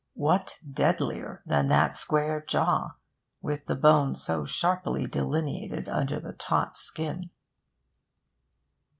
What deadlier than that square jaw, with the bone so sharply delineated under the taut skin?